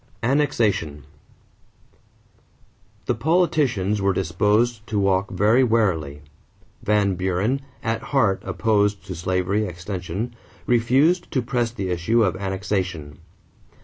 =Annexation.= The politicians were disposed to walk very warily. Van Buren, at heart opposed to slavery extension, refused to press the issue of annexation.